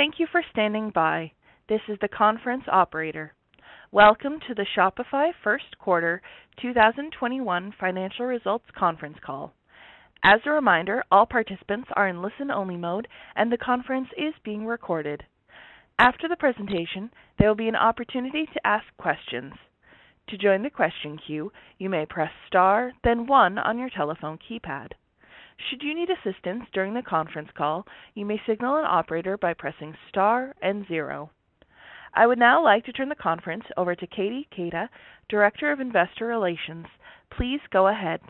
Thank you for standing by. This is the conference operator. Welcome to the Shopify First Quarter 2021 Financial Results Conference Call. As a reminder, all participants are in listen-only mode, and the conference is being recorded. After the presentation, there will be an opportunity to ask questions. To join the question queue, you may press star then one on your telephone keypad. Should you need assistance during the conference call, you may signal an operator by pressing star and zero. I would now like to turn the conference over to Katie Keita, Director of Investor Relations. Please go ahead.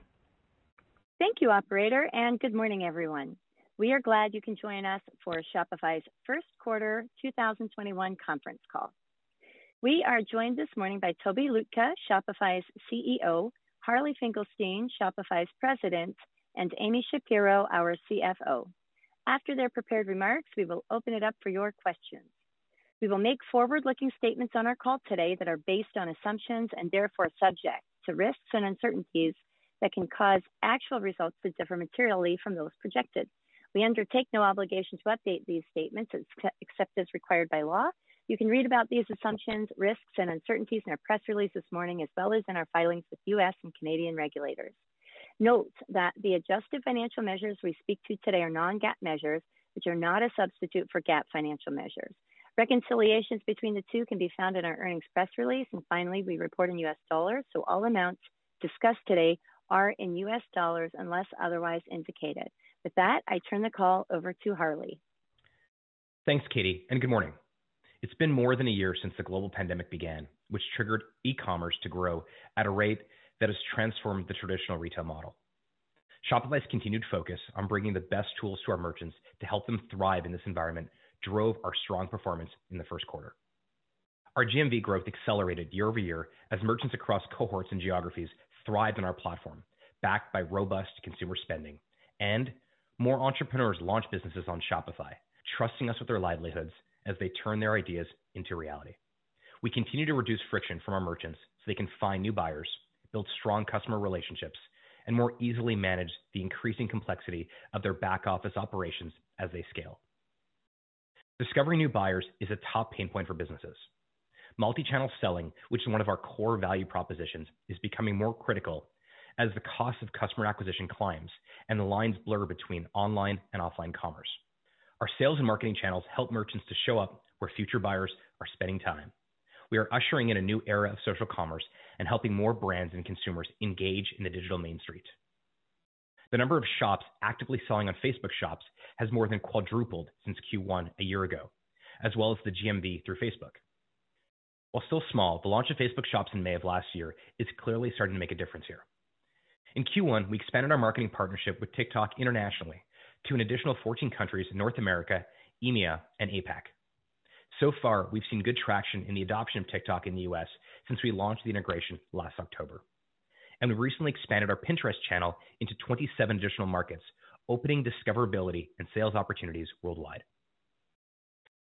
Thank you, operator, and good morning, everyone. We are glad you can join us for Shopify's first quarter 2021 conference call. We are joined this morning by Tobi Lütke, Shopify's CEO, Harley Finkelstein, Shopify's President, and Amy Shapero, our CFO. After their prepared remarks, we will open it up for your questions. We will make forward-looking statements on our call today that are based on assumptions and therefore subject to risks and uncertainties that can cause actual results to differ materially from those projected. We undertake no obligation to update these statements except as required by law. You can read about these assumptions, risks, and uncertainties in our press release this morning, as well as in our filings with U.S. and Canadian regulators. Note that the adjusted financial measures we speak to today are non-GAAP measures, which are not a substitute for GAAP financial measures. Reconciliations between the two can be found in our earnings press release. Finally, we report in U.S. dollar, so all amounts discussed today are in U.S. dollar unless otherwise indicated. With that, I turn the call over to Harley. Thanks, Katie. Good morning. It's been more than a year since the global pandemic began, which triggered e-commerce to grow at a rate that has transformed the traditional retail model. Shopify's continued focus on bringing the best tools to our merchants to help them thrive in this environment drove our strong performance in the first quarter. Our GMV growth accelerated year-over-year as merchants across cohorts and geographies thrived on our platform, backed by robust consumer spending, and more entrepreneurs launched businesses on Shopify, trusting us with their livelihoods as they turn their ideas into reality. We continue to reduce friction from our merchants so they can find new buyers, build strong customer relationships, and more easily manage the increasing complexity of their back-office operations as they scale. Discovering new buyers is a top pain point for businesses. Multi-channel selling, which is one of our core value propositions, is becoming more critical as the cost of customer acquisition climbs and the lines blur between online and offline commerce. Our sales and marketing channels help merchants to show up where future buyers are spending time. We are ushering in a new era of social commerce and helping more brands and consumers engage in the digital main street. The number of shops actively selling on Facebook Shops has more than quadrupled since Q1 a year ago, as well as the GMV through Facebook. While still small, the launch of Facebook Shops in May of last year is clearly starting to make a difference here. In Q1, we expanded our marketing partnership with TikTok internationally to an additional 14 countries in North America, EMEA, and APAC. Far, we've seen good traction in the adoption of TikTok in the U.S. since we launched the integration last October. We recently expanded our Pinterest channel into 27 additional markets, opening discoverability and sales opportunities worldwide.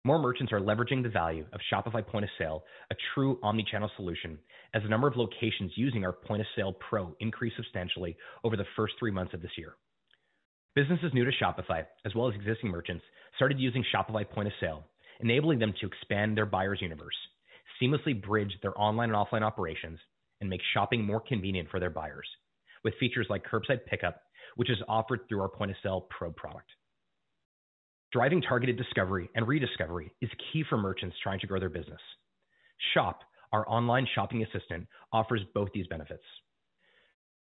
More merchants are leveraging the value of Shopify Point of Sale, a true omnichannel solution, as the number of locations using our Point of Sale Pro increased substantially over the first three months of this year. Businesses new to Shopify, as well as existing merchants, started using Shopify Point of Sale, enabling them to expand their buyer's universe, seamlessly bridge their online and offline operations, and make shopping more convenient for their buyers with features like curbside pickup, which is offered through our Point of Sale Pro product. Driving targeted discovery and rediscovery is key for merchants trying to grow their business. Shop, our online shopping assistant, offers both these benefits.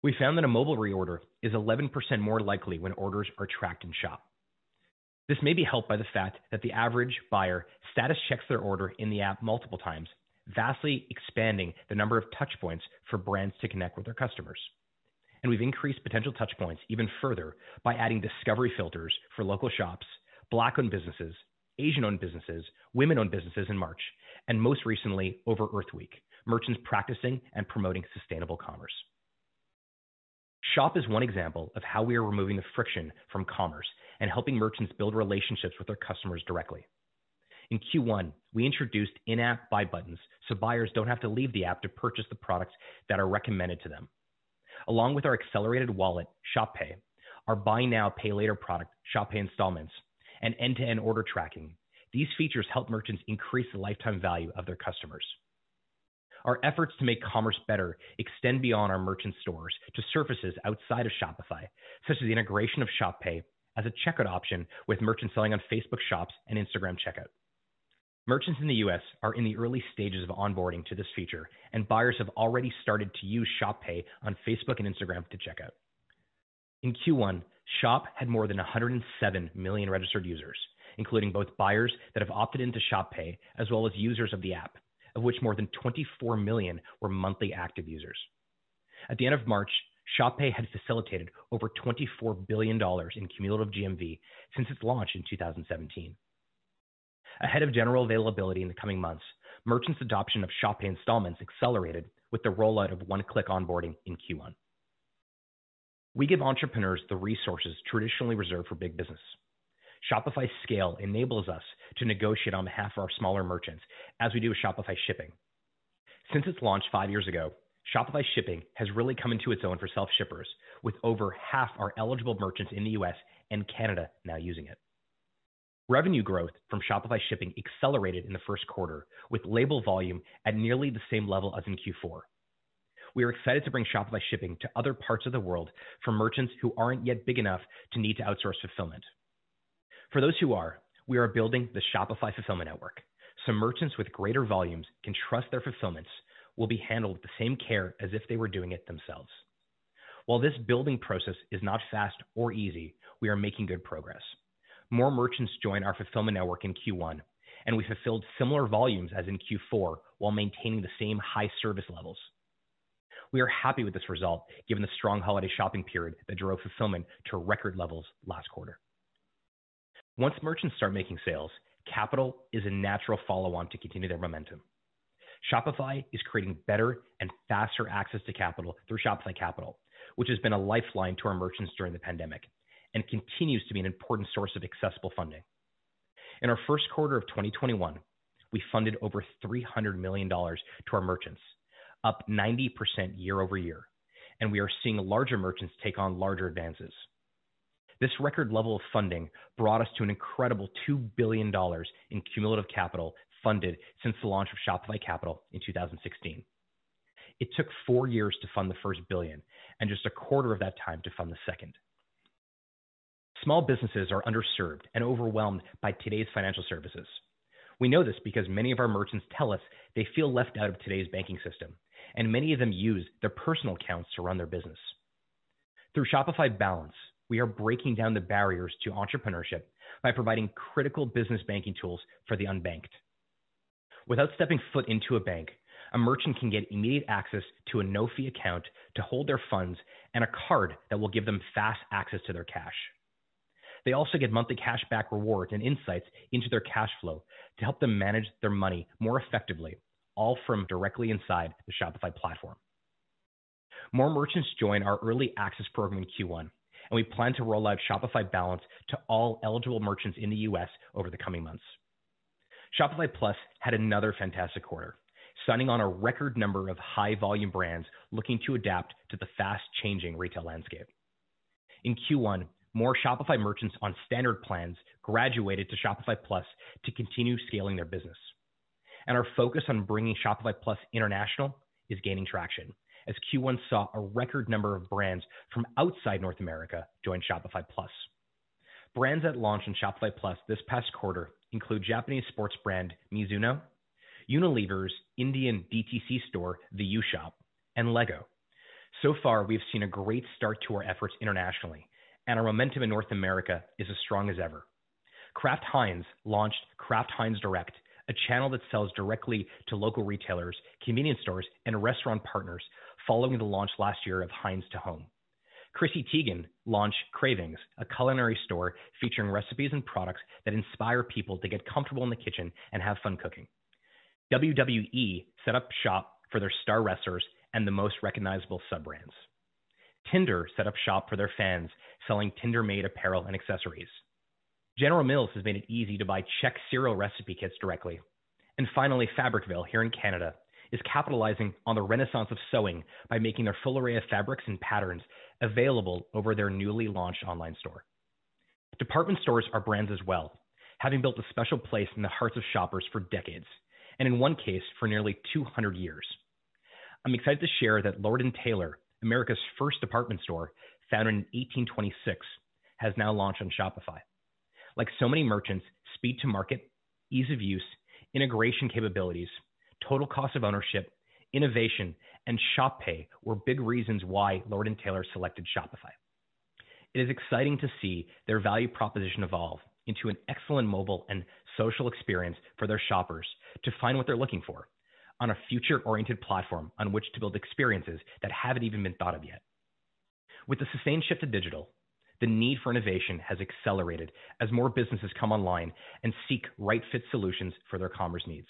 We found that a mobile reorder is 11% more likely when orders are tracked in Shop. This may be helped by the fact that the average buyer status checks their order in the app multiple times, vastly expanding the number of touchpoints for brands to connect with their customers. We've increased potential touchpoints even further by adding discovery filters for local shops, Black-owned businesses, Asian-owned businesses, women-owned businesses in March, and most recently, over Earth Week, merchants practicing and promoting sustainable commerce. Shop is one example of how we are removing the friction from commerce and helping merchants build relationships with their customers directly. In Q1, we introduced in-app buy buttons so buyers don't have to leave the app to purchase the products that are recommended to them. Along with our accelerated wallet, Shop Pay, our buy now, pay later product, Shop Pay Installments, and end-to-end order tracking, these features help merchants increase the lifetime value of their customers. Our efforts to make commerce better extend beyond our merchant stores to services outside of Shopify, such as the integration of Shop Pay as a checkout option with merchants selling on Facebook Shops and Instagram Checkout. Merchants in the U.S. are in the early stages of onboarding to this feature, and buyers have already started to use Shop Pay on Facebook and Instagram to checkout. In Q1, Shop had more than 107 million registered users, including both buyers that have opted into Shop Pay, as well as users of the app, of which more than 24 million were monthly active users. At the end of March, Shop Pay had facilitated over $24 billion in cumulative GMV since its launch in 2017. Ahead of general availability in the coming months, merchants' adoption of Shop Pay Installments accelerated with the rollout of one-click onboarding in Q1. We give entrepreneurs the resources traditionally reserved for big business. Shopify's scale enables us to negotiate on behalf of our smaller merchants as we do with Shopify Shipping. Since its launch five years ago, Shopify Shipping has really come into its own for self-shippers, with over half our eligible merchants in the U.S. and Canada now using it. Revenue growth from Shopify Shipping accelerated in the first quarter, with label volume at nearly the same level as in Q4. We are excited to bring Shopify Shipping to other parts of the world for merchants who aren't yet big enough to need to outsource fulfillment. For those who are, we are building the Shopify Fulfillment Network, so merchants with greater volumes can trust their fulfillments will be handled with the same care as if they were doing it themselves. While this building process is not fast or easy, we are making good progress. More merchants joined our fulfillment network in Q1, and we fulfilled similar volumes as in Q4 while maintaining the same high service levels. We are happy with this result given the strong holiday shopping period that drove fulfillment to record levels last quarter. Once merchants start making sales, capital is a natural follow-on to continue their momentum. Shopify is creating better and faster access to capital through Shopify Capital, which has been a lifeline to our merchants during the pandemic and continues to be an important source of accessible funding. In our first quarter of 2021, we funded over $300 million to our merchants, up 90% year-over-year, and we are seeing larger merchants take on larger advances. This record level of funding brought us to an incredible $2 billion in cumulative capital funded since the launch of Shopify Capital in 2016. It took four years to fund the first billion and just 1/4 of that time to fund the second. Small businesses are underserved and overwhelmed by today's financial services. We know this because many of our merchants tell us they feel left out of today's banking system, and many of them use their personal accounts to run their business. Through Shopify Balance, we are breaking down the barriers to entrepreneurship by providing critical business banking tools for the unbanked. Without stepping foot into a bank, a merchant can get immediate access to a no-fee account to hold their funds and a card that will give them fast access to their cash. They also get monthly cashback rewards and insights into their cash flow to help them manage their money more effectively, all from directly inside the Shopify platform. More merchants joined our early access program in Q1. We plan to roll out Shopify Balance to all eligible merchants in the U.S. over the coming months. Shopify Plus had another fantastic quarter, signing on a record number of high-volume brands looking to adapt to the fast-changing retail landscape. In Q1, more Shopify merchants on standard plans graduated to Shopify Plus to continue scaling their business. Our focus on bringing Shopify Plus international is gaining traction, as Q1 saw a record number of brands from outside North America join Shopify Plus. Brands that launched on Shopify Plus this past quarter include Japanese sports brand Mizuno, Unilever's Indian DTC store The U Shop, and LEGO. Far, we've seen a great start to our efforts internationally, and our momentum in North America is as strong as ever. Kraft Heinz launched Kraft Heinz Direct, a channel that sells directly to local retailers, convenience stores, and restaurant partners following the launch last year of Heinz to Home. Chrissy Teigen launched Cravings, a culinary store featuring recipes and products that inspire people to get comfortable in the kitchen and have fun cooking. WWE set up shop for their star wrestlers and the most recognizable sub-brands. Tinder set up shop for their fans, selling Tinder Made apparel and accessories. General Mills has made it easy to buy Chex Cereal recipe kits directly. Finally, Fabricville, here in Canada, is capitalizing on the renaissance of sewing by making their full array of fabrics and patterns available over their newly launched online store. Department stores are brands as well, having built a special place in the hearts of shoppers for decades, and in one case, for nearly 200 years. I'm excited to share that Lord & Taylor, America's first department store, founded in 1826, has now launched on Shopify. Like so many merchants, speed to market, ease of use, integration capabilities, total cost of ownership, innovation, and Shop Pay were big reasons why Lord & Taylor selected Shopify. It is exciting to see their value proposition evolve into an excellent mobile and social experience for their shoppers to find what they're looking for on a future-oriented platform on which to build experiences that haven't even been thought of yet. With the sustained shift to digital, the need for innovation has accelerated as more businesses come online and seek right-fit solutions for their commerce needs.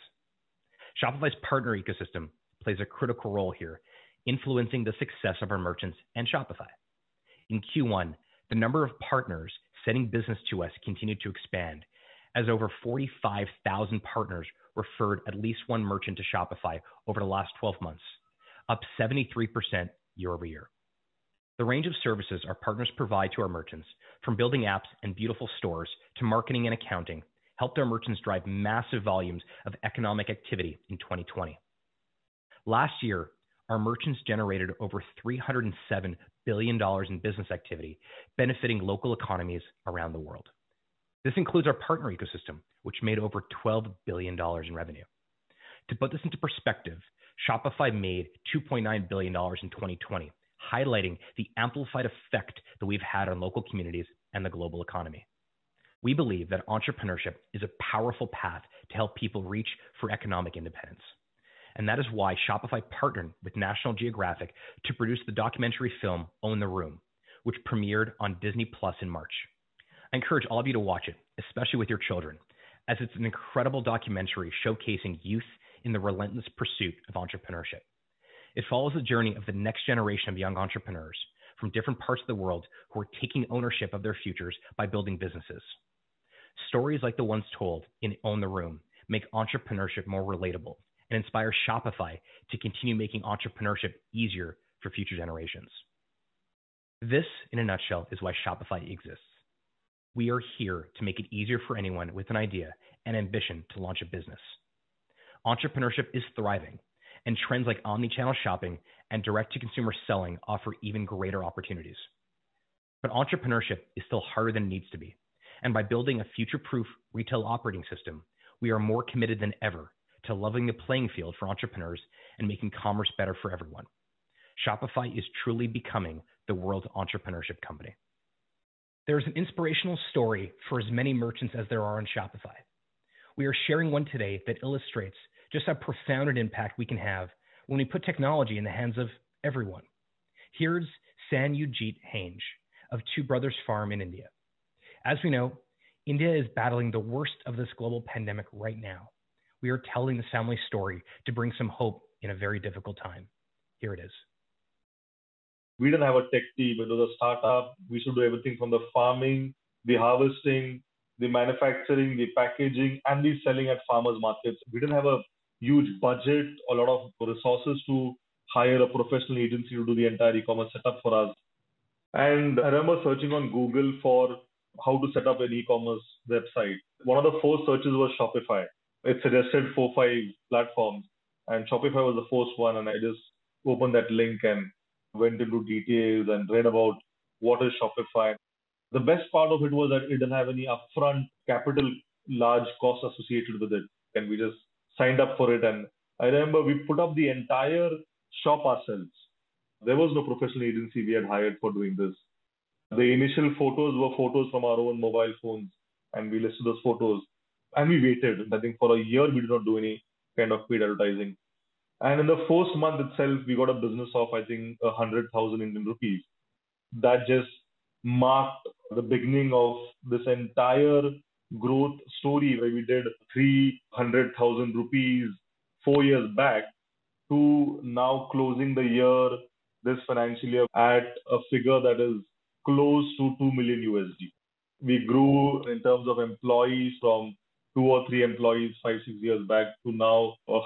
Shopify's partner ecosystem plays a critical role here, influencing the success of our merchants and Shopify. In Q1, the number of partners sending business to us continued to expand, as over 45,000 partners referred at least one merchant to Shopify over the last 12 months, up 73% year-over-year. The range of services our partners provide to our merchants, from building apps and beautiful stores to marketing and accounting, helped our merchants drive massive volumes of economic activity in 2020. Last year, our merchants generated over $307 billion in business activity, benefiting local economies around the world. This includes our partner ecosystem, which made over $12 billion in revenue. To put this into perspective, Shopify made $2.9 billion in 2020, highlighting the amplified effect that we've had on local communities and the global economy. We believe that entrepreneurship is a powerful path to help people reach for economic independence, and that is why Shopify partnered with National Geographic to produce the documentary film "Own The Room," which premiered on Disney+ in March. I encourage all of you to watch it, especially with your children, as it's an incredible documentary showcasing youth in the relentless pursuit of entrepreneurship. It follows the journey of the next generation of young entrepreneurs from different parts of the world who are taking ownership of their futures by building businesses. Stories like the ones told in "Own The Room" make entrepreneurship more relatable and inspire Shopify to continue making entrepreneurship easier for future generations. This, in a nutshell, is why Shopify exists. We are here to make it easier for anyone with an idea and ambition to launch a business. Entrepreneurship is thriving, and trends like omnichannel shopping and direct-to-consumer selling offer even greater opportunities. Entrepreneurship is still harder than it needs to be, and by building a future-proof retail operating system, we are more committed than ever to leveling the playing field for entrepreneurs and making commerce better for everyone. Shopify is truly becoming the world's entrepreneurship company. There is an inspirational story for as many merchants as there are on Shopify. We are sharing one today that illustrates just how profound an impact we can have when we put technology in the hands of everyone. Here's Satyajit Hange of Two Brothers Organic Farms in India. As we know, India is battling the worst of this global pandemic right now. We are telling this family's story to bring some hope in a very difficult time. Here it is. We didn't have a tech team. As a startup, we used to do everything from the farming, the harvesting, the manufacturing, the packaging, and the selling at farmers markets. We didn't have a huge budget or a lot of resources to hire a professional agency to do the entire e-commerce setup for us. I remember searching on Google for how to set up an e-commerce website. One of the first searches was Shopify. It suggested four or five platforms, and Shopify was the first one, and I just opened that link and went into details and read about what is Shopify. The best part of it was that it didn't have any upfront capital, large costs associated with it, and we just signed up for it. I remember we put up the entire shop ourselves. There was no professional agency we had hired for doing this. The initial photos were photos from our own mobile phones, we listed those photos, and we waited. I think for a year, we did not do any kind of paid advertising. In the first month itself, we got a business of, I think, 100,000 Indian rupees. That just marked the beginning of this entire growth story, where we did 300,000 rupees four years back to now closing the year, this financial year, at a figure that is close to $2 million. We grew in terms of employees from two or three employees five, six years back to now 100+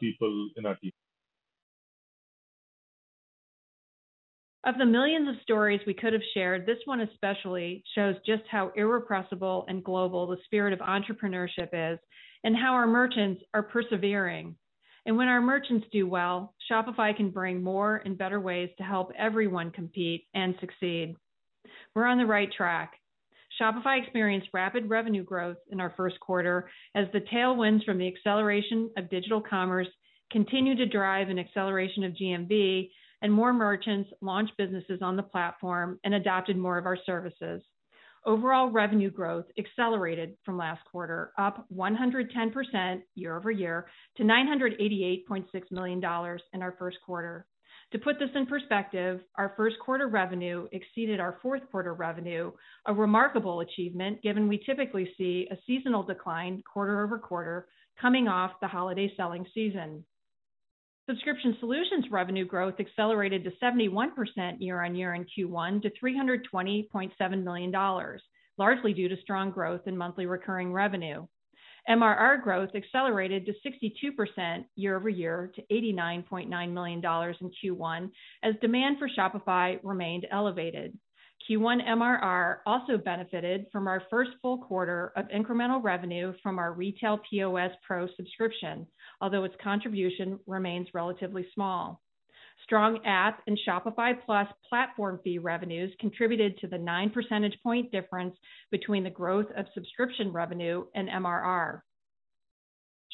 people in our team. Of the millions of stories we could have shared, this one especially shows just how irrepressible and global the spirit of entrepreneurship is and how our merchants are persevering. When our merchants do well, Shopify can bring more and better ways to help everyone compete and succeed. We're on the right track. Shopify experienced rapid revenue growth in our first quarter as the tailwinds from the acceleration of digital commerce continue to drive an acceleration of GMV, and more merchants launched businesses on the platform and adopted more of our services. Overall revenue growth accelerated from last quarter, up 110% year-over-year to $988.6 million in our first quarter. To put this in perspective, our first quarter revenue exceeded our fourth quarter revenue, a remarkable achievement given we typically see a seasonal decline quarter-over-quarter coming off the holiday selling season. Subscription solutions revenue growth accelerated to 71% year-on-year in Q1 to $320.7 million, largely due to strong growth in monthly recurring revenue. MRR growth accelerated to 62% year-over-year to $89.9 million in Q1 as demand for Shopify remained elevated. Q1 MRR also benefited from our first full quarter of incremental revenue from our retail POS Pro subscription, although its contribution remains relatively small. Strong app and Shopify Plus platform fee revenues contributed to the nine percentage point difference between the growth of subscription revenue and MRR.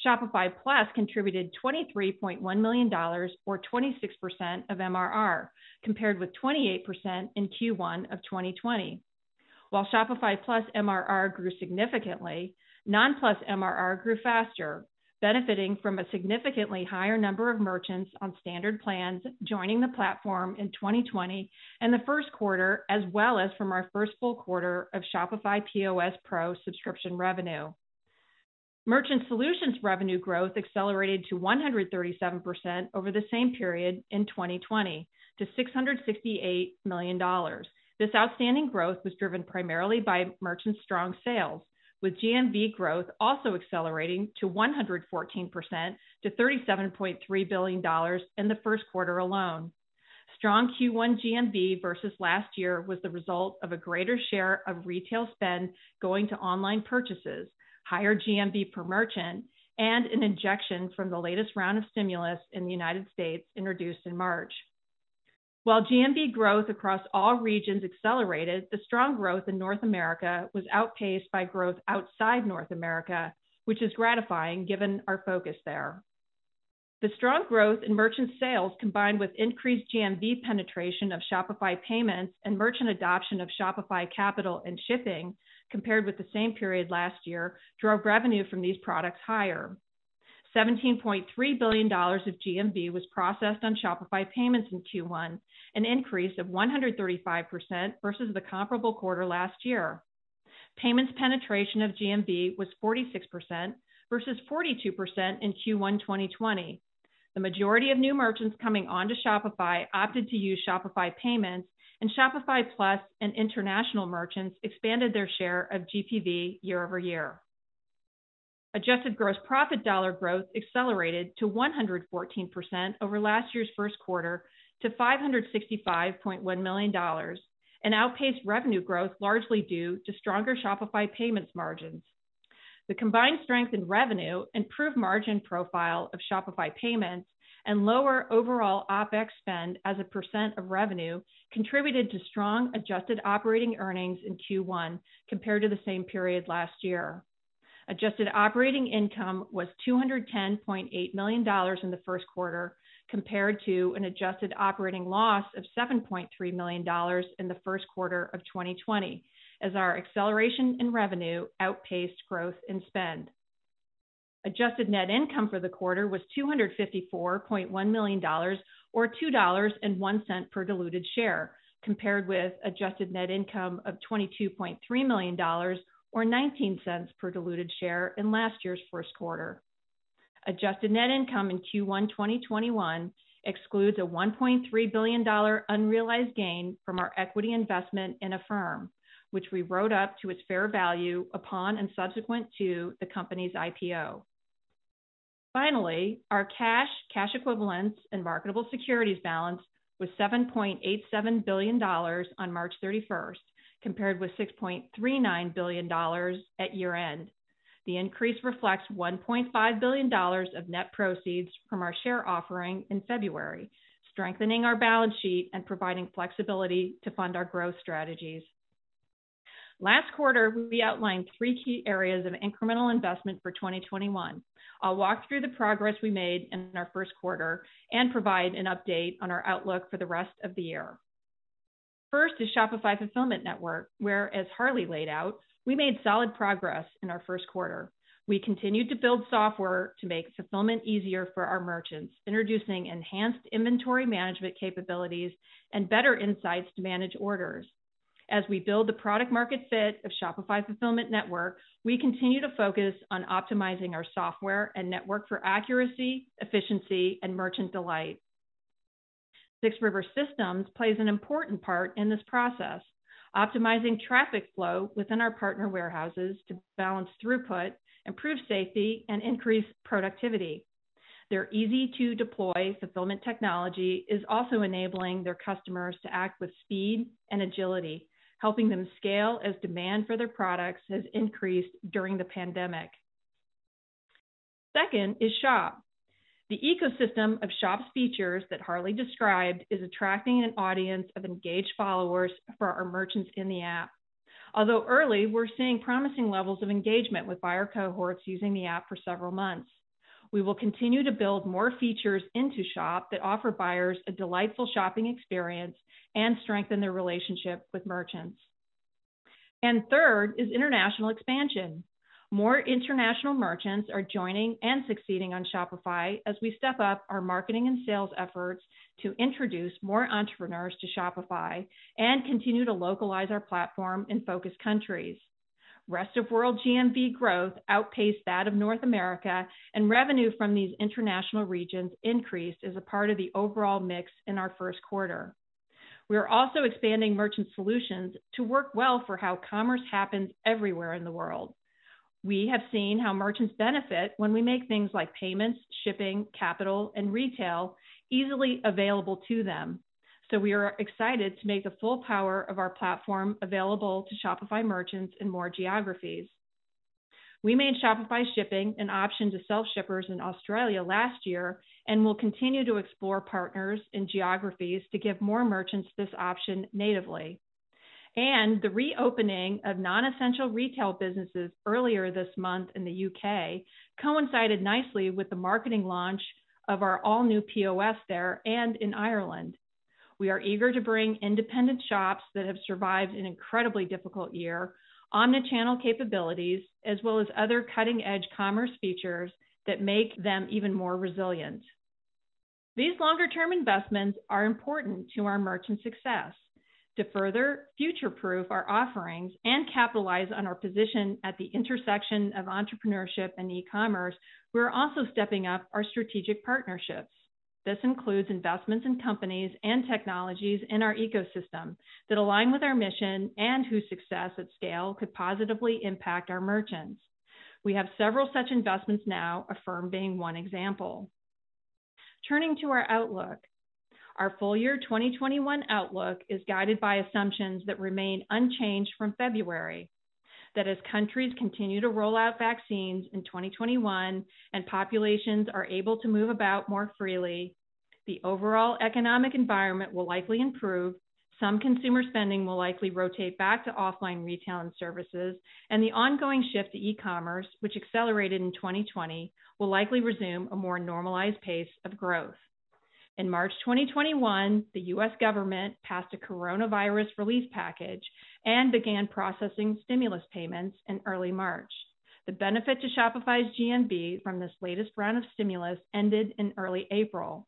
Shopify Plus contributed $23.1 million, or 26% of MRR, compared with 28% in Q1 of 2020. While Shopify Plus MRR grew significantly, non-Plus MRR grew faster, benefiting from a significantly higher number of merchants on standard plans joining the platform in 2020 and the first quarter, as well as from our first full quarter of Shopify POS Pro subscription revenue. Merchant solutions revenue growth accelerated to 137% over the same period in 2020 to $668 million. This outstanding growth was driven primarily by merchant strong sales, with GMV growth also accelerating to 114% to $37.3 billion in the first quarter alone. Strong Q1 GMV versus last year was the result of a greater share of retail spend going to online purchases, higher GMV per merchant, and an injection from the latest round of stimulus in the United States introduced in March. While GMV growth across all regions accelerated, the strong growth in North America was outpaced by growth outside North America, which is gratifying given our focus there. The strong growth in merchant sales, combined with increased GMV penetration of Shopify Payments and merchant adoption of Shopify Capital and Shopify Shipping compared with the same period last year, drove revenue from these products higher. $17.3 billion of GMV was processed on Shopify Payments in Q1, an increase of 135% versus the comparable quarter last year. Payments penetration of GMV was 46% versus 42% in Q1 2020. The majority of new merchants coming onto Shopify opted to use Shopify Payments, and Shopify Plus and international merchants expanded their share of GPV year-over-year. Adjusted gross profit dollar growth accelerated to 114% over last year's first quarter to $565.1 million and outpaced revenue growth, largely due to stronger Shopify Payments margins. The combined strength in revenue, improved margin profile of Shopify Payments, and lower overall OpEx spend as a % of revenue contributed to strong adjusted operating earnings in Q1 compared to the same period last year. Adjusted operating income was $210.8 million in the first quarter compared to an adjusted operating loss of $7.3 million in the first quarter of 2020, as our acceleration in revenue outpaced growth in spend. Adjusted net income for the quarter was $254.1 million, or $2.01 per diluted share, compared with adjusted net income of $22.3 million, or $0.19 per diluted share in last year's first quarter. Adjusted net income in Q1 2021 excludes a $1.3 billion unrealized gain from our equity investment in Affirm, which we wrote up to its fair value upon and subsequent to the company's IPO. Our cash equivalents, and marketable securities balance was $7.87 billion on March 31st, compared with $6.39 billion at year-end. The increase reflects $1.5 billion of net proceeds from our share offering in February, strengthening our balance sheet and providing flexibility to fund our growth strategies. Last quarter, we outlined three key areas of incremental investment for 2021. I'll walk through the progress we made in our first quarter and provide an update on our outlook for the rest of the year. First is Shopify Fulfillment Network, where, as Harley laid out, we made solid progress in our first quarter. We continued to build software to make fulfillment easier for our merchants, introducing enhanced inventory management capabilities and better insights to manage orders. As we build the product market fit of Shopify Fulfillment Network, we continue to focus on optimizing our software and network for accuracy, efficiency, and merchant delight. 6 River Systems plays an important part in this process, optimizing traffic flow within our partner warehouses to balance throughput, improve safety, and increase productivity. Their easy-to-deploy fulfillment technology is also enabling their customers to act with speed and agility, helping them scale as demand for their products has increased during the pandemic. Second is Shop. The ecosystem of Shop's features that Harley described is attracting an audience of engaged followers for our merchants in the app. Although early, we are seeing promising levels of engagement with buyer cohorts using the app for several months. We will continue to build more features into Shop that offer buyers a delightful shopping experience and strengthen their relationship with merchants. Third is international expansion. More international merchants are joining and succeeding on Shopify as we step up our marketing and sales efforts to introduce more entrepreneurs to Shopify and continue to localize our platform in focus countries. Rest of world GMV growth outpaced that of North America, and revenue from these international regions increased as a part of the overall mix in our first quarter. We are also expanding merchant solutions to work well for how commerce happens everywhere in the world. We have seen how merchants benefit when we make things like payments, shipping, capital, and retail easily available to them. We are excited to make the full power of our platform available to Shopify merchants in more geographies. We made Shopify Shipping an option to self-shippers in Australia last year and will continue to explore partners in geographies to give more merchants this option natively. The reopening of non-essential retail businesses earlier this month in the U.K. coincided nicely with the marketing launch of our all-new POS there and in Ireland. We are eager to bring independent shops that have survived an incredibly difficult year omni-channel capabilities, as well as other cutting-edge commerce features that make them even more resilient. These longer-term investments are important to our merchant success. To further future-proof our offerings and capitalize on our position at the intersection of entrepreneurship and e-commerce, we're also stepping up our strategic partnerships. This includes investments in companies and technologies in our ecosystem that align with our mission and whose success at scale could positively impact our merchants. We have several such investments now, Affirm being one example. Turning to our outlook. Our full year 2021 outlook is guided by assumptions that remain unchanged from February, that as countries continue to roll out vaccines in 2021 and populations are able to move about more freely, the overall economic environment will likely improve. Some consumer spending will likely rotate back to offline retail and services, and the ongoing shift to e-commerce, which accelerated in 2020, will likely resume a more normalized pace of growth. In March 2021, the U.S. government passed a coronavirus relief package and began processing stimulus payments in early March. The benefit to Shopify's GMV from this latest round of stimulus ended in early April.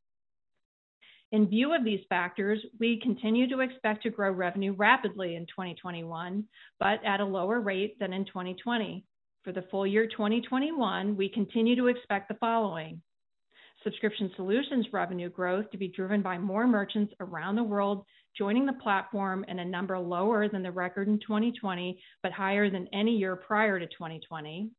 In view of these factors, we continue to expect to grow revenue rapidly in 2021, but at a lower rate than in 2020. For the full year 2021, we continue to expect the following. Subscription Solutions revenue growth to be driven by more merchants around the world joining the platform in a number lower than the record in 2020, but higher than any year prior to 2020.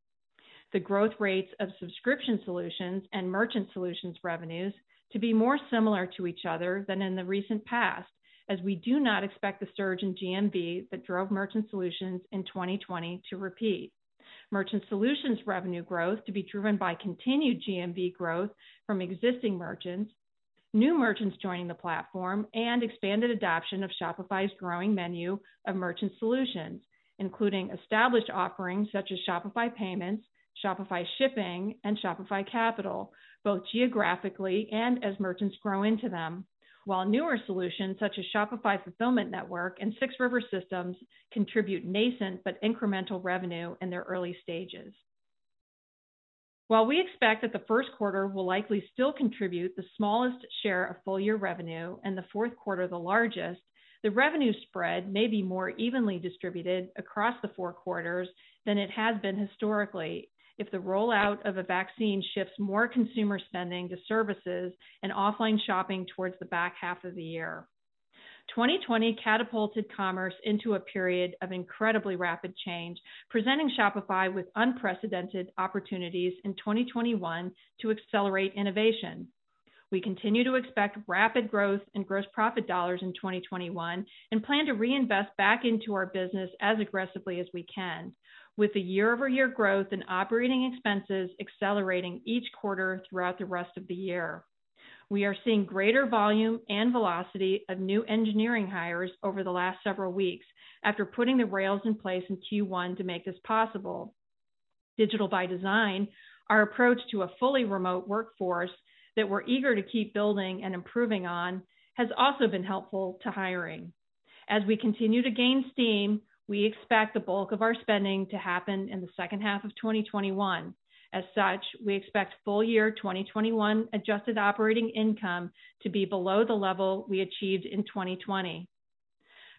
The growth rates of Subscription Solutions and Merchant Solutions revenues to be more similar to each other than in the recent past, as we do not expect the surge in GMV that drove Merchant Solutions in 2020 to repeat. Merchant Solutions revenue growth to be driven by continued GMV growth from existing merchants, new merchants joining the platform, and expanded adoption of Shopify's growing menu of merchant solutions, including established offerings such as Shopify Payments, Shopify Shipping, and Shopify Capital, both geographically and as merchants grow into them. While newer solutions such as Shopify Fulfillment Network and 6 River Systems contribute nascent but incremental revenue in their early stages. While we expect that the first quarter will likely still contribute the smallest share of full-year revenue and the fourth quarter the largest, the revenue spread may be more evenly distributed across the four quarters than it has been historically if the rollout of a vaccine shifts more consumer spending to services and offline shopping towards the back half of the year. 2020 catapulted commerce into a period of incredibly rapid change, presenting Shopify with unprecedented opportunities in 2021 to accelerate innovation. We continue to expect rapid growth in gross profit dollars in 2021 and plan to reinvest back into our business as aggressively as we can, with the year-over-year growth in operating expenses accelerating each quarter throughout the rest of the year. We are seeing greater volume and velocity of new engineering hires over the last several weeks after putting the Rails in place in Q1 to make this possible. Digital by Design, our approach to a fully remote workforce that we're eager to keep building and improving on, has also been helpful to hiring. As we continue to gain steam, we expect the bulk of our spending to happen in the second half of 2021. As such, we expect full year 2021 adjusted operating income to be below the level we achieved in 2020.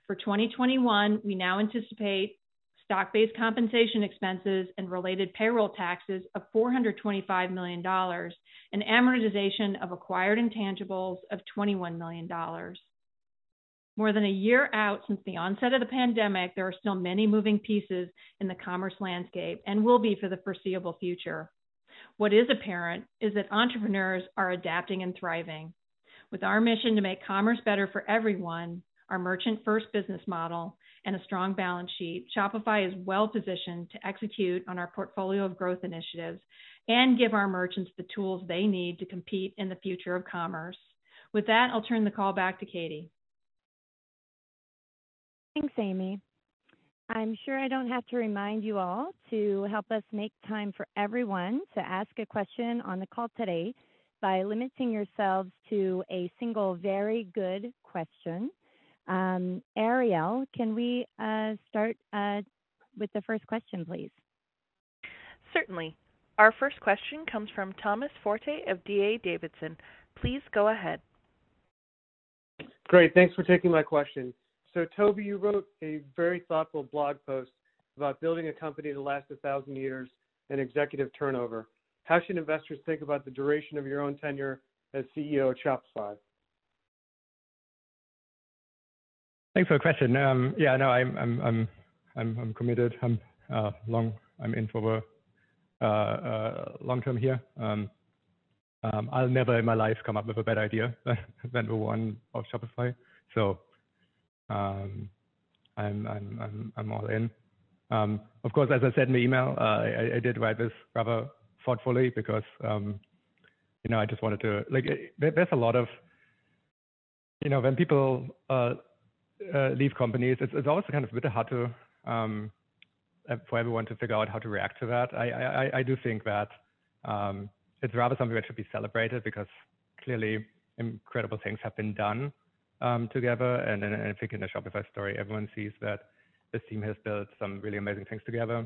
For 2021, we now anticipate stock-based compensation expenses and related payroll taxes of $425 million, and amortization of acquired intangibles of $21 million. More than a year out since the onset of the pandemic, there are still many moving pieces in the commerce landscape and will be for the foreseeable future. What is apparent is that entrepreneurs are adapting and thriving. With our mission to make commerce better for everyone, our merchant-first business model, and a strong balance sheet, Shopify is well-positioned to execute on our portfolio of growth initiatives and give our merchants the tools they need to compete in the future of commerce. With that, I'll turn the call back to Katie. Thanks, Amy. I'm sure I don't have to remind you all to help us make time for everyone to ask a question on the call today by limiting yourselves to a single very good question. Ariel, can we start with the first question, please? Certainly. Our first question comes from Thomas Forte of D.A. Davidson. Please go ahead. Great. Thanks for taking my question. Tobi, you wrote a very thoughtful blog post about building a company to last 1,000 years and executive turnover. How should investors think about the duration of your own tenure as CEO of Shopify? Thanks for the question. Yeah, no, I'm committed. I'm in for long-term here. I'll never in my life come up with a better idea than the one of Shopify. I'm all in. Of course, as I said in the email, I did write this rather thoughtfully because when people leave companies, it's always kind of a bit hard for everyone to figure out how to react to that. I do think that it's rather something that should be celebrated because clearly incredible things have been done together. I think in the Shopify story, everyone sees that this team has built some really amazing things together.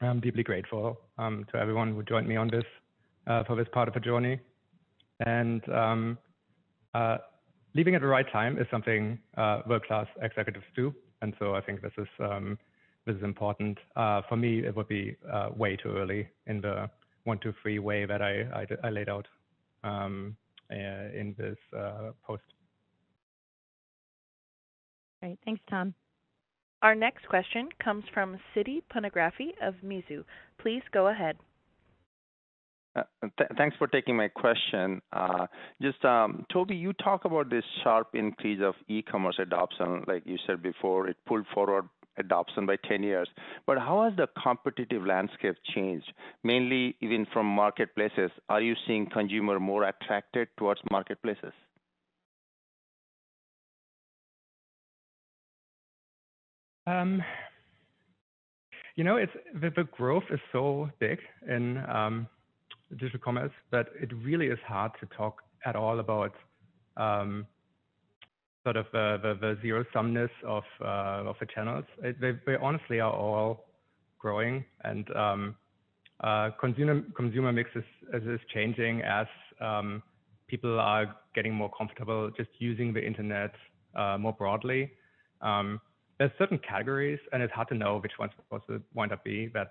I'm deeply grateful to everyone who joined me on this for this part of the journey. Leaving at the right time is something world-class executives do. I think this is important. For me, it would be way too early in the one, two, three way that I laid out in this post. Great. Thanks, Tom. Our next question comes from Siti Panigrahi of Mizu. Please go ahead. Thanks for taking my question. Tobi, you talk about this sharp increase of e-commerce adoption. You said before, it pulled forward adoption by 10 years. How has the competitive landscape changed, mainly even from marketplaces? Are you seeing consumer more attracted towards marketplaces? The growth is so big in digital commerce that it really is hard to talk at all about. Sort of the zero sumness of the channels. They honestly are all growing and consumer mix is changing as people are getting more comfortable just using the internet more broadly. There's certain categories, and it's hard to know which ones will wind up being that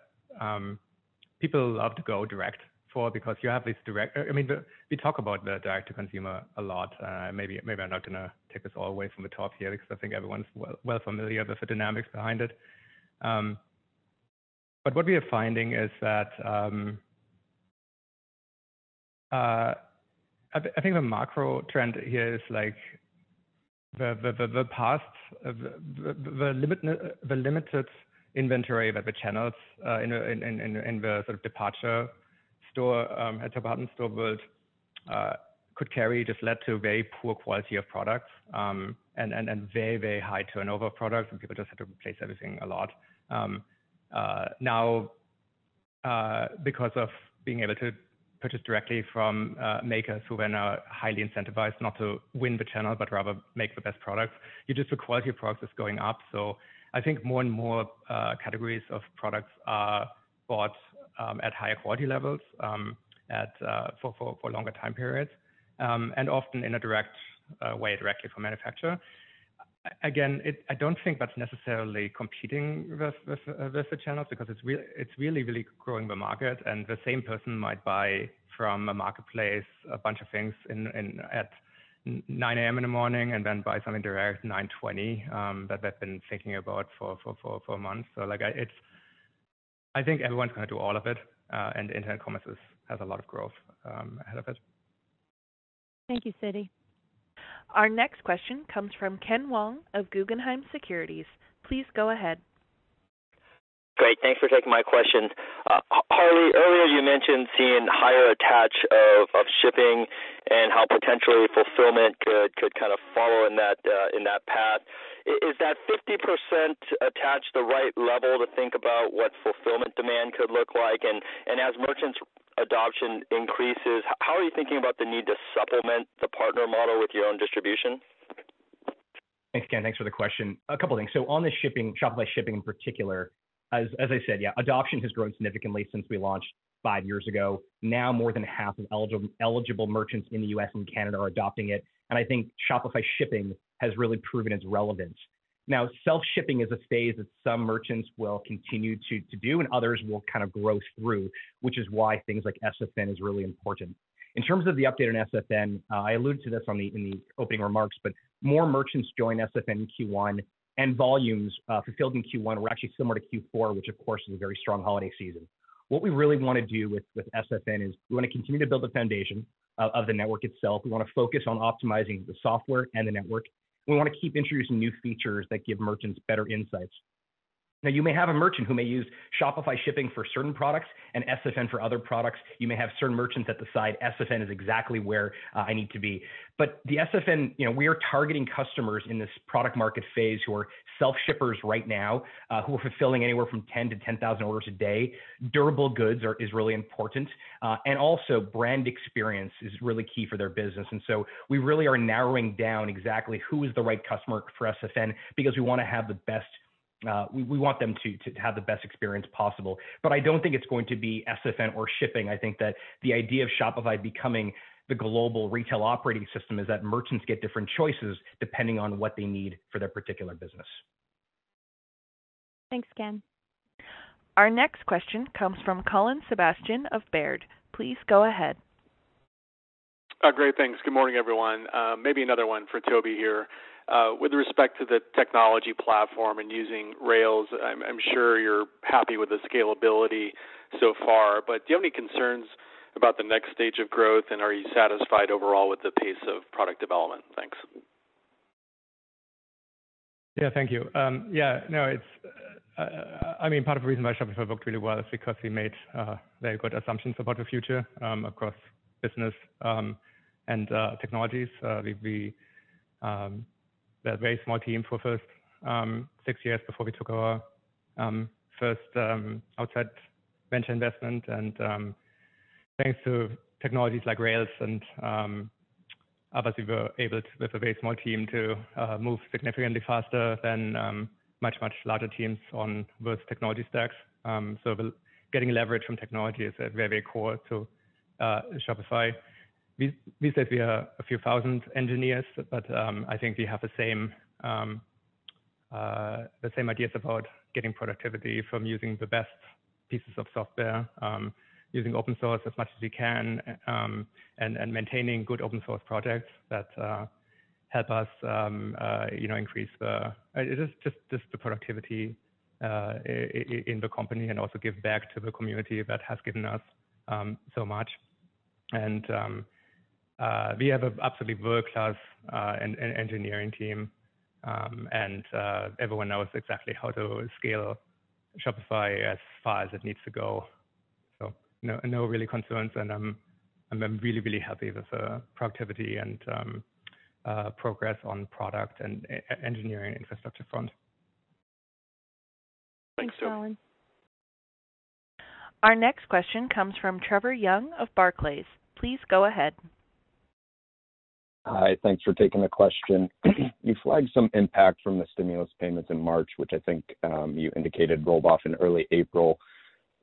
people love to go direct for, because you have these. We talk about the direct to consumer a lot. Maybe I'm not going to take us all the way from the top here because I think everyone's well familiar with the dynamics behind it. What we are finding is that, I think the macro trend here is the past, the limited inventory that the channels in the sort of department store, at a boutique store world could carry, just led to very poor quality of products, and very high turnover products. People just had to replace everything a lot. Because of being able to purchase directly from makers who then are highly incentivized not to win the channel, but rather make the best products, just the quality of products is going up. I think more and more categories of products are bought at higher quality levels, for longer time periods, and often in a direct way, directly from manufacturer. Again, I don't think that's necessarily competing with the channels, because it's really growing the market. The same person might buy from a marketplace, a bunch of things at 9:00 A.M. in the morning and then buy something direct, 9:20 A.M., that they've been thinking about for months. I think everyone's going to do all of it. Internet commerce has a lot of growth ahead of it. Thank you, Siti. Our next question comes from Ken Wong of Guggenheim Securities. Please go ahead. Great. Thanks for taking my question. Harley, earlier you mentioned seeing higher attach of shipping and how potentially fulfillment could kind of follow in that path. Is that 50% attach the right level to think about what fulfillment demand could look like? As merchants' adoption increases, how are you thinking about the need to supplement the partner model with your own distribution? Thanks, Ken. Thanks for the question. A couple of things. On the Shopify Shipping in particular, as I said, yeah, adoption has grown significantly since we launched five years ago. Now more than half of eligible merchants in the U.S. and Canada are adopting it, and I think Shopify Shipping has really proven its relevance. Now, self-shipping is a phase that some merchants will continue to do and others will kind of grow through, which is why things like SFN is really important. In terms of the update on SFN, I alluded to this in the opening remarks, more merchants joined SFN in Q1, and volumes fulfilled in Q1 were actually similar to Q4, which of course, is a very strong holiday season. What we really want to do with SFN is we want to continue to build the foundation of the network itself. We want to focus on optimizing the software and the network. We want to keep introducing new features that give merchants better insights. You may have a merchant who may use Shopify Shipping for certain products and SFN for other products. You may have certain merchants that decide SFN is exactly where I need to be. The SFN, we are targeting customers in this product market phase who are self-shippers right now, who are fulfilling anywhere from 10 to 10,000 orders a day. Durable goods is really important. Also brand experience is really key for their business. We really are narrowing down exactly who is the right customer for SFN because we want them to have the best experience possible. I don't think it's going to be SFN or shipping. I think that the idea of Shopify becoming the global retail operating system is that merchants get different choices depending on what they need for their particular business. Thanks, Ken. Our next question comes from Colin Sebastian of Baird. Please go ahead. Great. Thanks. Good morning, everyone. Maybe another one for Tobi here. With respect to the technology platform and using Rails, I'm sure you're happy with the scalability so far. Do you have any concerns about the next stage of growth? Are you satisfied overall with the pace of product development? Thanks. Yeah. Thank you. Part of the reason why Shopify worked really well is because we made very good assumptions about the future, across business and technologies. We had a very small team for first six years before we took our first outside venture investment, and thanks to technologies like Rails and others, we were able, with a very small team, to move significantly faster than much larger teams on both technology stacks. Getting leverage from technology is very core to Shopify. We said we are a few thousand engineers, but I think we have the same ideas about getting productivity from using the best pieces of software, using open source as much as we can, and maintaining good open source projects that help us increase just the productivity in the company and also give back to the community that has given us so much. We have an absolutely world-class engineering team. Everyone knows exactly how to scale Shopify as far as it needs to go. No really concerns, and I'm really happy with the productivity and progress on product and engineering infrastructure front. Thanks, Colin. Our next question comes from Trevor Young of Barclays. Please go ahead. Hi. Thanks for taking the question. You flagged some impact from the stimulus payments in March, which I think you indicated rolled off in early April.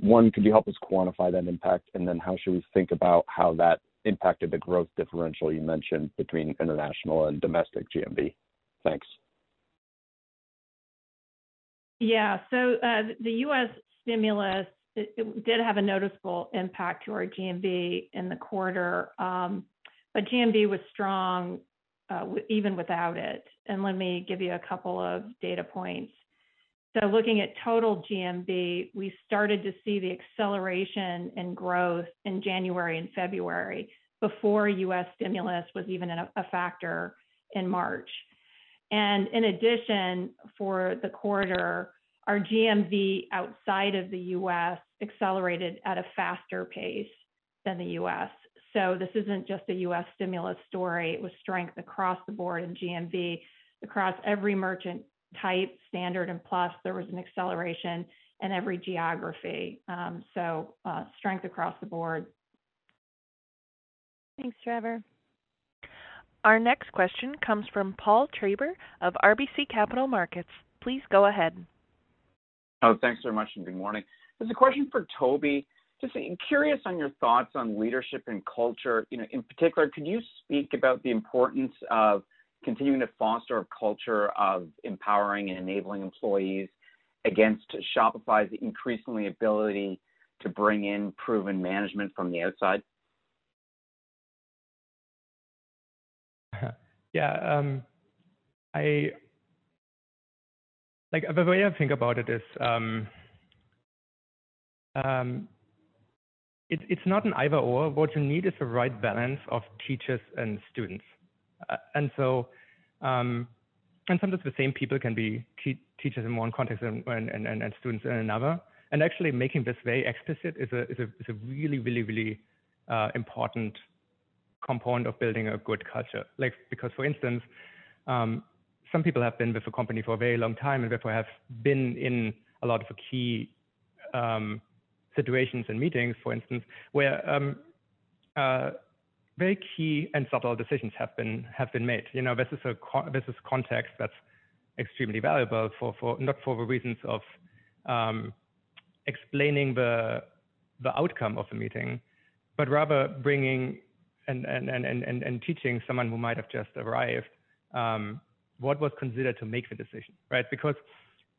Could you help us quantify that impact? How should we think about how that impacted the growth differential you mentioned between international and domestic GMV? Thanks. Yeah. The U.S. stimulus, it did have a noticeable impact to our GMV in the quarter. GMV was strong even without it. Let me give you a couple of data points. Looking at total GMV, we started to see the acceleration in growth in January and February before U.S. stimulus was even a factor in March. In addition, for the quarter, our GMV outside of the U.S. accelerated at a faster pace than the U.S. This isn't just a U.S. stimulus story. It was strength across the board in GMV. Across every merchant type, standard and Plus, there was an acceleration in every geography. Strength across the board. Thanks, Trevor. Our next question comes from Paul Treiber of RBC Capital Markets. Please go ahead. Thanks very much, good morning. This is a question for Tobi. Just curious on your thoughts on leadership and culture. In particular, could you speak about the importance of continuing to foster a culture of empowering and enabling employees against Shopify's increasing ability to bring in proven management from the outside? Yeah. The way I think about it is, it's not an either/or. What you need is the right balance of teachers and students. Sometimes the same people can be teachers in one context and students in another. Actually making this very explicit is a really important component of building a good culture. For instance, some people have been with the company for a very long time, and therefore have been in a lot of key situations and meetings, for instance, where very key and subtle decisions have been made. This is context that is extremely valuable, not for the reasons of explaining the outcome of the meeting, but rather bringing and teaching someone who might have just arrived what was considered to make the decision,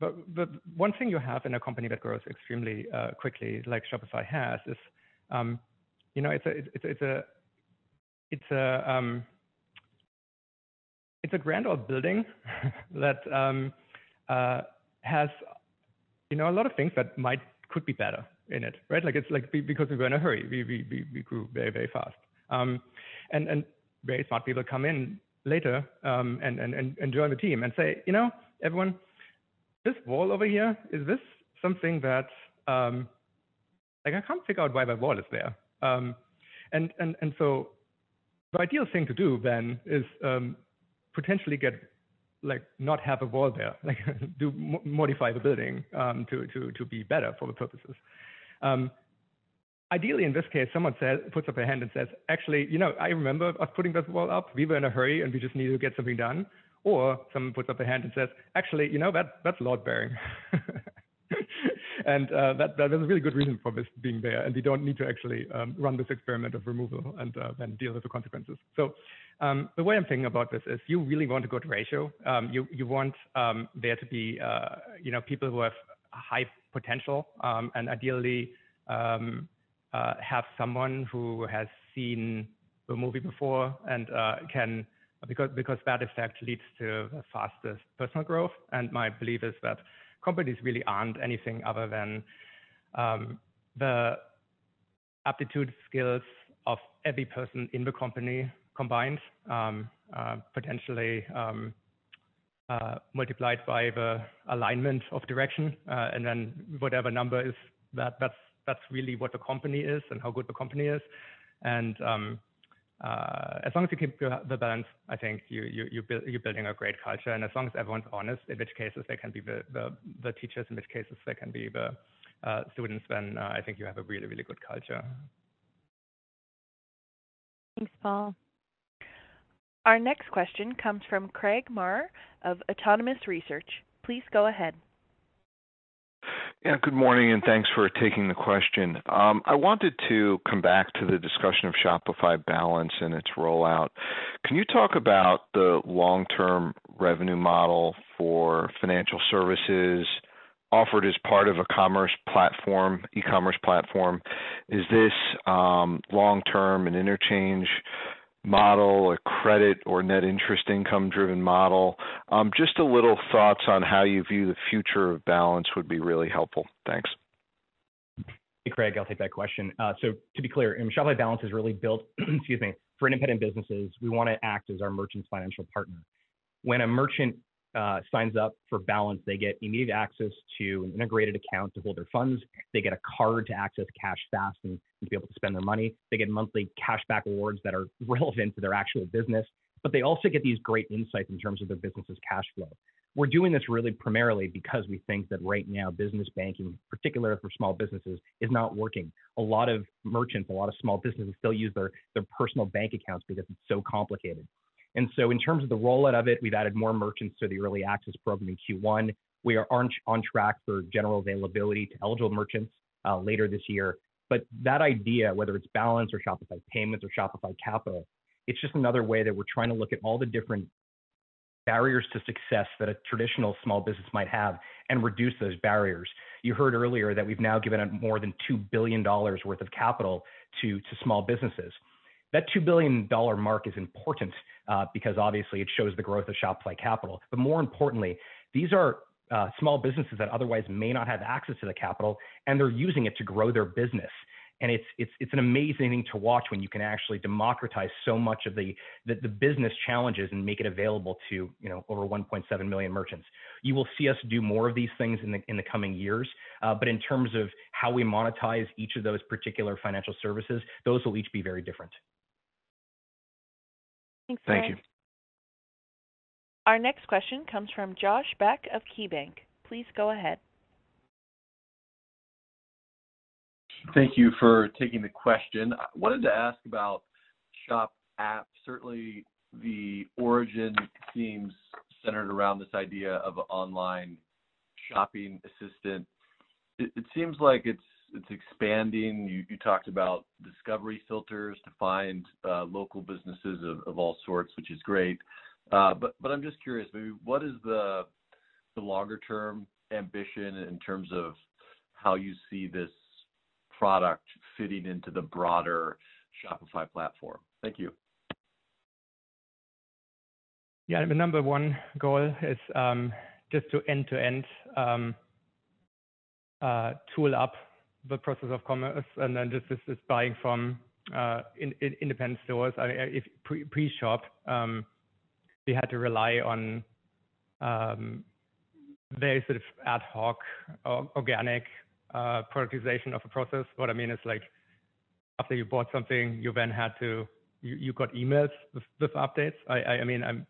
right? The one thing you have in a company that grows extremely quickly, like Shopify has, is it's a grand old building that has a lot of things that could be better in it, right? We were in a hurry. We grew very fast. Very smart people come in later and join the team and say, "Everyone, this wall over here, I can't figure out why that wall is there." The ideal thing to do then is potentially not have a wall there. Modify the building to be better for the purposes. Ideally, in this case, someone puts up a hand and says, "Actually, I remember us putting this wall up. We were in a hurry, and we just needed to get something done." Someone puts up a hand and says, "Actually, that's load-bearing." There's a really good reason for this being there, and you don't need to actually run this experiment of removal and then deal with the consequences. The way I'm thinking about this is you really want a good ratio. You want there to be people who have high potential, and ideally, have someone who has seen the movie before, because that effect leads to the fastest personal growth. My belief is that companies really aren't anything other than the aptitude skills of every person in the company combined, potentially multiplied by the alignment of direction. Whatever number is, that's really what the company is and how good the company is. As long as you keep the balance, I think you're building a great culture. As long as everyone's honest in which cases they can be the teachers and which cases they can be the students, then I think you have a really good culture. Thanks, Paul. Our next question comes from Craig Maurer of Autonomous Research. Please go ahead. Yeah, good morning, and thanks for taking the question. I wanted to come back to the discussion of Shopify Balance and its rollout. Can you talk about the long-term revenue model for financial services offered as part of a commerce platform, e-commerce platform? Is this long-term an interchange model, a credit or net interest income-driven model? Just a little thoughts on how you view the future of Balance would be really helpful. Thanks. Hey, Craig. I'll take that question. To be clear, Shopify Balance is really built excuse me, for independent businesses. We want to act as our merchants' financial partner. When a merchant signs up for Shopify Balance, they get immediate access to an integrated account to hold their funds. They get a card to access cash fast and to be able to spend their money. They get monthly cashback rewards that are relevant to their actual business. They also get these great insights in terms of their business's cash flow. We're doing this really primarily because we think that right now, business banking, particularly for small businesses, is not working. A lot of merchants, a lot of small businesses still use their personal bank accounts because it's so complicated. In terms of the rollout of it, we've added more merchants to the early access program in Q1. We are on track for general availability to eligible merchants later this year. That idea, whether it's Balance or Shopify Payments or Shopify Capital, it's just another way that we're trying to look at all the different barriers to success that a traditional small business might have and reduce those barriers. You heard earlier that we've now given out more than $2 billion worth of capital to small businesses. That $2 billion mark is important, because obviously it shows the growth of Shopify Capital. More importantly, these are small businesses that otherwise may not have access to the capital, and they're using it to grow their business. It's an amazing thing to watch when you can actually democratize so much of the business challenges and make it available to over 1.7 million merchants. You will see us do more of these things in the coming years. In terms of how we monetize each of those particular financial services, those will each be very different. Thanks, Craig. Thank you. Our next question comes from Josh Beck of KeyBanc. Please go ahead. Thank you for taking the question. I wanted to ask about Shop app. Certainly, the origin seems centered around this idea of online shopping assistant. It seems like it's expanding. You talked about discovery filters to find local businesses of all sorts, which is great. I'm just curious, maybe what is the longer-term ambition in terms of how you see this product fitting into the broader Shopify platform? Thank you. Yeah. The number one goal is just to end-to-end tool up the process of commerce, and then just this buying from independent stores. Pre-shop, we had to rely on very sort of ad hoc, organic productization of a process. What I mean is after you bought something, you got emails with updates.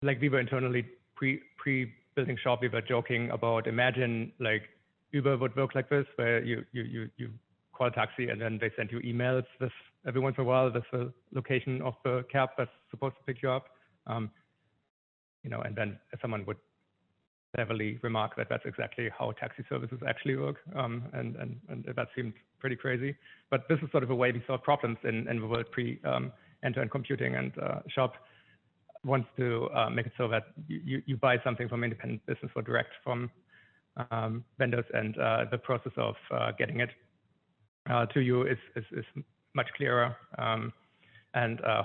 Like we were internally pre-building shop, we were joking about imagine Uber would work like this, where you call a taxi, and then they send you emails every once in a while with the location of the cab that's supposed to pick you up. Someone would heavily remark that that's exactly how taxi services actually work, and that seemed pretty crazy. This is sort of a way we solve problems in the world pre-end-to-end computing. Shop wants to make it so that you buy something from independent business or direct from vendors, and the process of getting it to you is much clearer.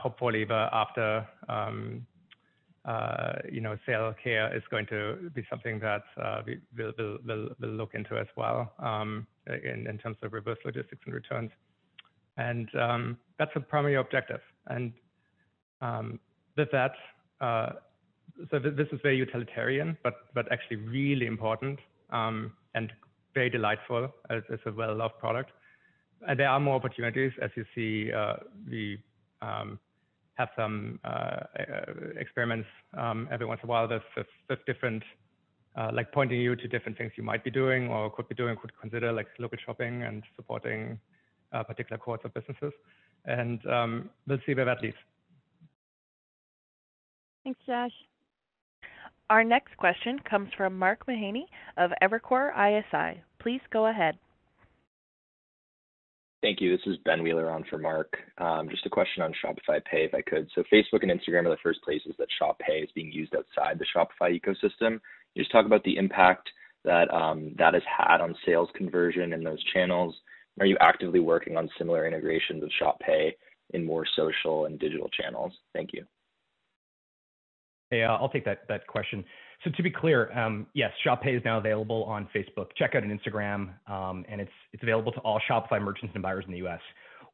Hopefully after sale, care is going to be something that we'll look into as well, again, in terms of reverse logistics and returns. That's the primary objective. This is very utilitarian, but actually really important, and very delightful as a well-loved product. There are more opportunities, as you see, we have some experiments every once in a while that's different, like pointing you to different things you might be doing or could be doing, could consider, like local shopping and supporting particular cohorts of businesses. We'll see where that leads. Thanks, Josh. Our next question comes from Mark Mahaney of Evercore ISI. Please go ahead. Thank you. This is Ben Wheeler on for Mark. Just a question on Shop Pay, if I could. Facebook and Instagram are the first places that Shop Pay is being used outside the Shopify ecosystem. Can you just talk about the impact that has had on sales conversion in those channels? Are you actively working on similar integrations with Shop Pay in more social and digital channels? Thank you. I'll take that question. To be clear, yes, Shop Pay is now available on Facebook Checkout and Instagram, and it's available to all Shopify merchants and buyers in the U.S.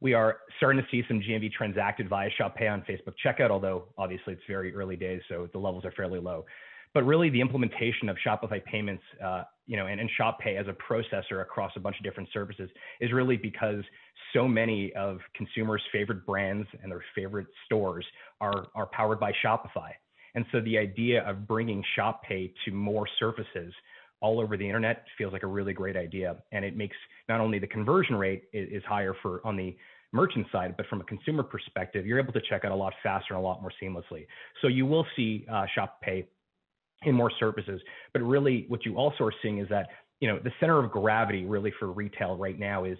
We are starting to see some GMV transacted via Shop Pay on Facebook Checkout, although obviously it's very early days, so the levels are fairly low. Really the implementation of Shopify Payments, and in Shop Pay as a processor across a bunch of different services is really because so many of consumers' favorite brands and their favorite stores are powered by Shopify. The idea of bringing Shop Pay to more surfaces all over the internet feels like a really great idea, and it makes not only the conversion rate is higher on the merchant side, but from a consumer perspective, you're able to check out a lot faster and a lot more seamlessly. You will see Shop Pay in more services. Really what you also are seeing is that the center of gravity really for retail right now is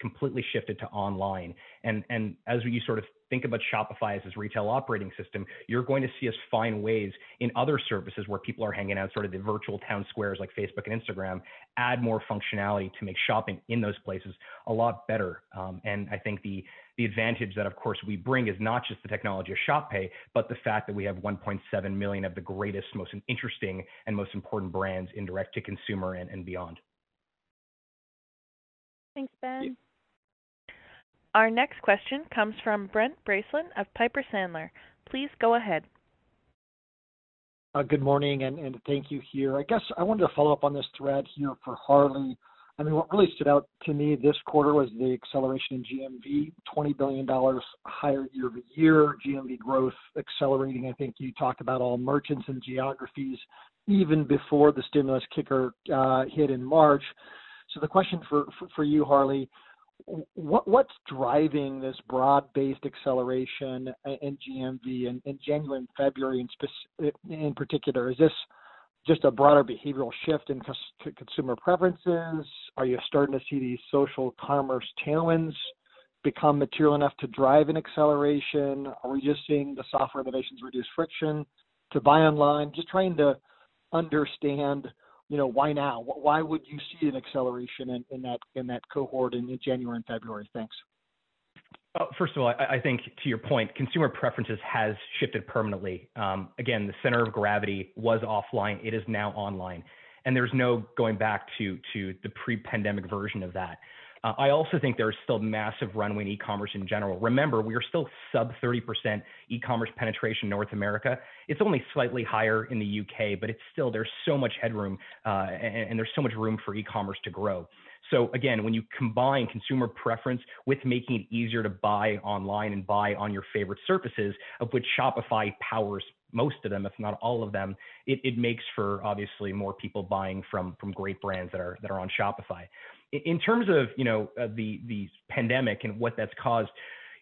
completely shifted to online. As you sort of think about Shopify as this retail operating system, you're going to see us find ways in other services where people are hanging out, sort of the virtual town squares like Facebook and Instagram, add more functionality to make shopping in those places a lot better. I think the advantage that, of course, we bring is not just the technology of Shop Pay, but the fact that we have 1.7 million of the greatest, most interesting, and most important brands in direct to consumer and beyond. Thanks, Ben. Our next question comes from Brent Bracelin of Piper Sandler. Please go ahead. Good morning. Thank you here. I guess I wanted to follow up on this thread here for Harley. What really stood out to me this quarter was the acceleration in GMV, $20 billion higher year-over-year GMV growth accelerating. I think you talked about all merchants and geographies even before the stimulus kicker hit in March. The question for you, Harley, what's driving this broad-based acceleration in GMV in January and February in particular? Is this just a broader behavioral shift in consumer preferences? Are you starting to see these social commerce tailwinds become material enough to drive an acceleration? Are we just seeing the software innovations reduce friction to buy online? Just trying to understand why now? Why would you see an acceleration in that cohort in January and February? Thanks. First of all, I think to your point, consumer preferences has shifted permanently. Again, the center of gravity was offline. It is now online, and there's no going back to the pre-pandemic version of that. I also think there is still massive runway in eCommerce in general. Remember, we are still sub 30% eCommerce penetration North America. It's only slightly higher in the U.K., but there's so much headroom, and there's so much room for eCommerce to grow. Again, when you combine consumer preference with making it easier to buy online and buy on your favorite surfaces, of which Shopify powers most of them, if not all of them, it makes for obviously more people buying from great brands that are on Shopify. In terms of the pandemic and what that's caused,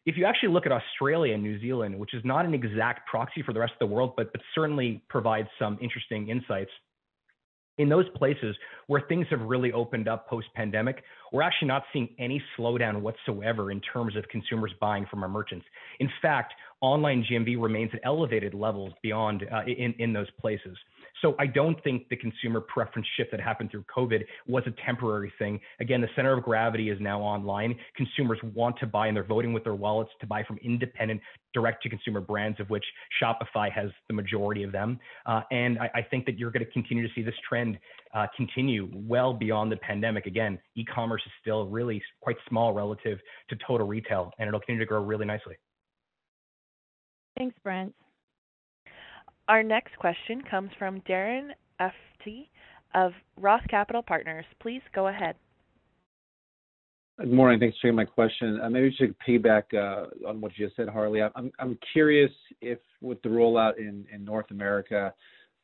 if you actually look at Australia and New Zealand, which is not an exact proxy for the rest of the world, but certainly provides some interesting insights. In those places where things have really opened up post-pandemic, we're actually not seeing any slowdown whatsoever in terms of consumers buying from our merchants. Online GMV remains at elevated levels in those places. I don't think the consumer preference shift that happened through COVID was a temporary thing. Again, the center of gravity is now online. Consumers want to buy, and they're voting with their wallets to buy from independent direct-to-consumer brands, of which Shopify has the majority of them. I think that you're going to continue to see this trend continue well beyond the pandemic. Again, Ecommerce is still really quite small relative to total retail, and it'll continue to grow really nicely. Thanks, Brent. Our next question comes from Darren Aftahi of ROTH Capital Partners. Please go ahead. Good morning. Thanks for taking my question. Maybe to piggyback on what you just said, Harley, I'm curious if with the rollout in North America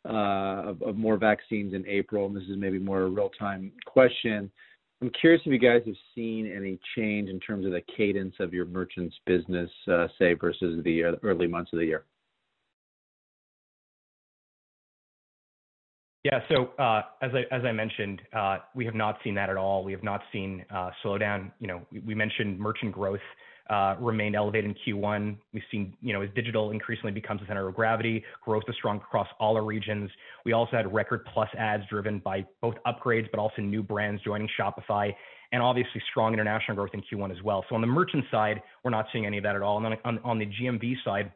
of more vaccines in April, and this is maybe more a real-time question. I'm curious if you guys have seen any change in terms of the cadence of your merchants business, say, versus the early months of the year. As I mentioned, we have not seen that at all. We have not seen a slowdown. We mentioned merchant growth remained elevated in Q1. We've seen as digital increasingly becomes the center of gravity, growth is strong across all our regions. We also had record Plus adds driven by both upgrades, but also new brands joining Shopify, strong international growth in Q1 as well. On the merchant side, we're not seeing any of that at all. On the GMV side,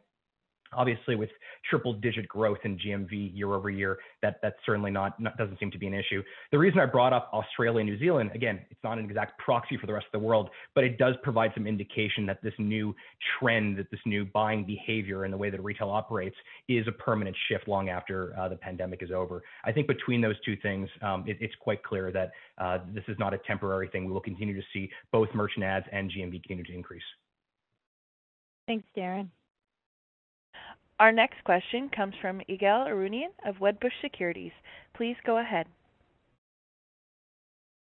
obviously with triple-digit growth in GMV year-over-year, that certainly doesn't seem to be an issue. The reason I brought up Australia and New Zealand, again, it's not an exact proxy for the rest of the world, but it does provide some indication that this new trend, that this new buying behavior and the way that retail operates is a permanent shift long after the pandemic is over. I think between those two things, it's quite clear that this is not a temporary thing. We will continue to see both merchant ads and GMV continue to increase. Thanks, Darren. Our next question comes from Ygal Arounian of Wedbush Securities. Please go ahead.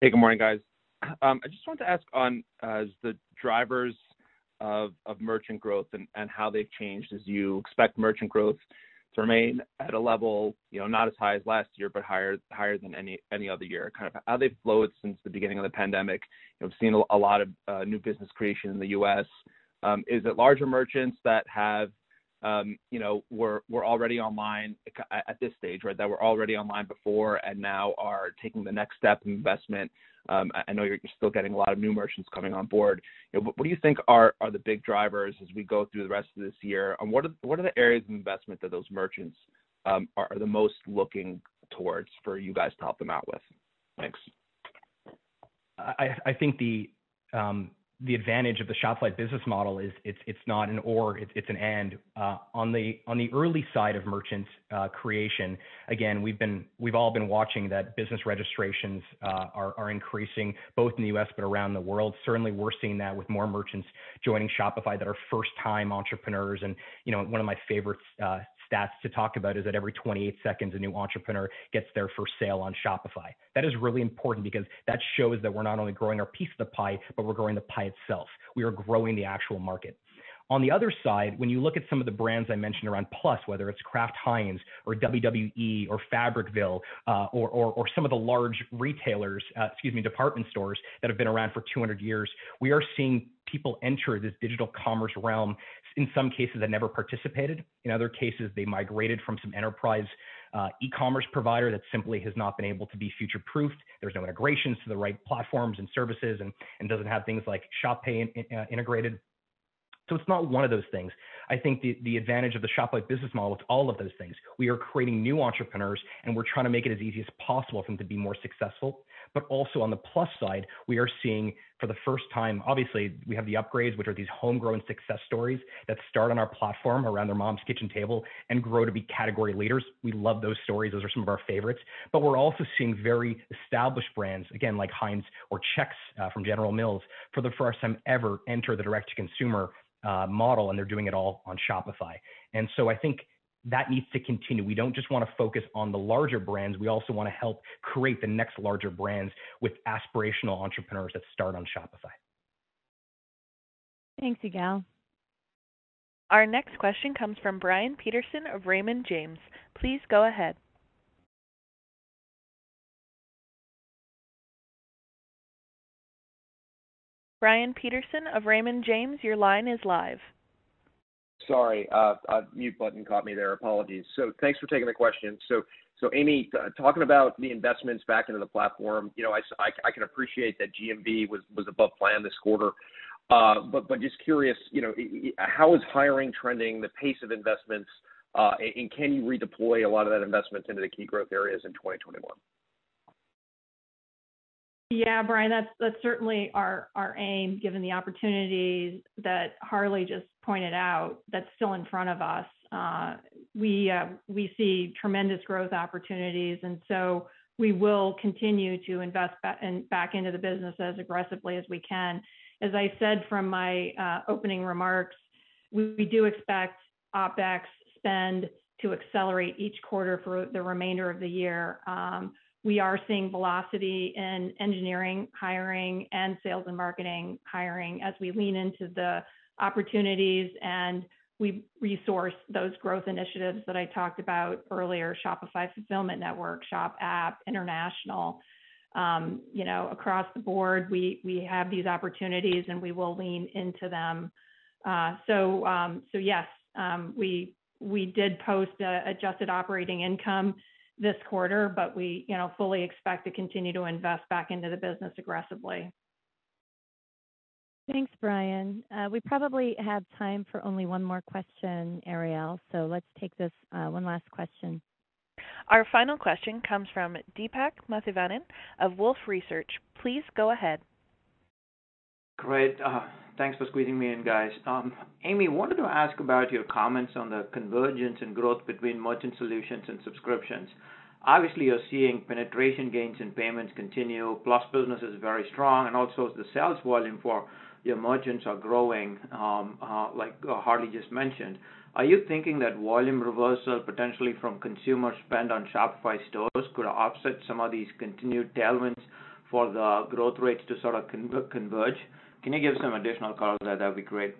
Hey, good morning, guys. I just wanted to ask on the drivers of merchant growth and how they've changed as you expect merchant growth to remain at a level, not as high as last year, but higher than any other year. How have they flowed since the beginning of the pandemic? We've seen a lot of new business creation in the U.S. Is it larger merchants that were already online at this stage, that were already online before and now are taking the next step in investment? I know you're still getting a lot of new merchants coming on board. What do you think are the big drivers as we go through the rest of this year? What are the areas of investment that those merchants are the most looking towards for you guys to help them out with? Thanks. I think the advantage of the Shopify business model is it's not an or, it's an and. On the early side of merchant creation, again, we've all been watching that business registrations are increasing both in the U.S. but around the world. Certainly, we're seeing that with more merchants joining Shopify that are first-time entrepreneurs. One of my favorite stats to talk about is that every 28 seconds, a new entrepreneur gets their first sale on Shopify. That is really important because that shows that we're not only growing our piece of the pie, but we're growing the pie itself. We are growing the actual market. On the other side, when you look at some of the brands I mentioned around Plus, whether it's Kraft Heinz or WWE or Fabricville, or some of the large retailers, excuse me, department stores that have been around for 200 years, we are seeing people enter this digital commerce realm in some cases that never participated. In other cases, they migrated from some enterprise e-commerce provider that simply has not been able to be future-proofed. There's no integrations to the right platforms and services, and doesn't have things like Shop Pay integrated. It's not one of those things. I think the advantage of the Shopify business model is all of those things. We are creating new entrepreneurs, and we're trying to make it as easy as possible for them to be more successful. Also on the plus side, we are seeing for the first time, obviously, we have the upgrades, which are these homegrown success stories that start on our platform around their mom's kitchen table and grow to be category leaders. We love those stories. Those are some of our favorites. We're also seeing very established brands, again, like Heinz or Chex from General Mills, for the first time ever, enter the direct-to-consumer model, and they're doing it all on Shopify. I think that needs to continue. We don't just want to focus on the larger brands. We also want to help create the next larger brands with aspirational entrepreneurs that start on Shopify. Thanks, Ygal. Our next question comes from Brian Peterson of Raymond James. Please go ahead. Brian Peterson of Raymond James, your line is live. Sorry. Mute button caught me there. Apologies. Thanks for taking the question. Amy, talking about the investments back into the platform. I can appreciate that GMV was above plan this quarter. Just curious, how is hiring trending, the pace of investments, and can you redeploy a lot of that investment into the key growth areas in 2021? Yeah, Brian, that's certainly our aim, given the opportunities that Harley just pointed out that's still in front of us. We see tremendous growth opportunities, and so we will continue to invest back into the business as aggressively as we can. As I said from my opening remarks, we do expect OpEx spend to accelerate each quarter for the remainder of the year. We are seeing velocity in engineering hiring and sales and marketing hiring as we lean into the opportunities and we resource those growth initiatives that I talked about earlier, Shopify Fulfillment Network, Shop App, International. Across the board, we have these opportunities and we will lean into them. Yes, we did post adjusted operating income this quarter, but we fully expect to continue to invest back into the business aggressively. Thanks, Brian. We probably have time for only one more question, Ariel. Let's take this one last question. Our final question comes from Deepak Mathivanan of Wolfe Research. Please go ahead. Great. Thanks for squeezing me in, guys. Amy, I wanted to ask about your comments on the convergence in growth between merchant solutions and subscriptions. Obviously, you're seeing penetration gains in payments continue, plus business is very strong, and also the sales volume for your merchants are growing, like Harley just mentioned. Are you thinking that volume reversal potentially from consumer spend on Shopify stores could offset some of these continued tailwinds for the growth rates to sort of converge? Can you give some additional color to that? That'd be great.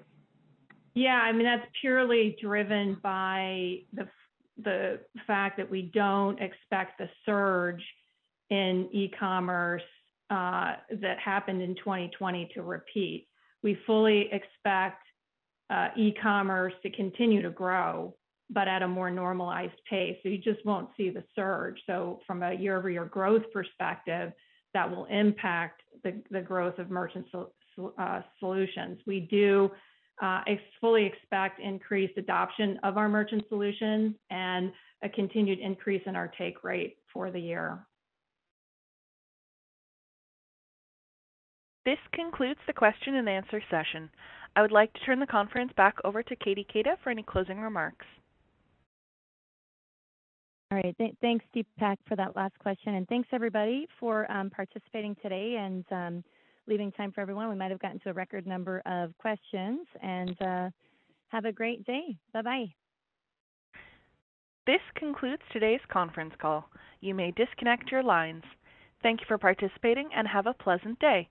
That's purely driven by the fact that we don't expect the surge in e-commerce that happened in 2020 to repeat. We fully expect e-commerce to continue to grow, but at a more normalized pace. You just won't see the surge. From a year-over-year growth perspective, that will impact the growth of merchant solutions. We do fully expect increased adoption of our merchant solutions and a continued increase in our take rate for the year. This concludes the question and answer session. I would like to turn the conference back over to Katie Keita for any closing remarks. All right. Thanks, Deepak, for that last question. Thanks, everybody, for participating today and leaving time for everyone. We might have gotten to a record number of questions. Have a great day. Bye-bye. This concludes today's conference call. You may disconnect your lines. Thank you for participating and have a pleasant day.